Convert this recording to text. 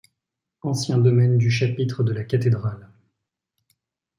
Ancien domaine du chapitre de la cathédrale.